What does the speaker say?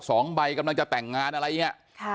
สองใบกำนักจะแต่งงานอะไรเงี้ย